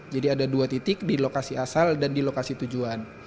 jadi ada dua titik di lokasi asal dan di lokasi tujuan